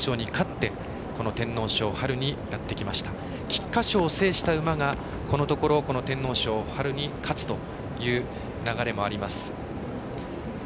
菊花賞を制した馬がこのところ天皇賞に勝つという流れもあります。